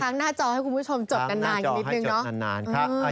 ทั้งหน้าจอให้คุณผู้ชมจดกันนานนิดนึงเนาะ